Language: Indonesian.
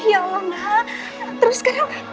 ya allah nana terus sekarang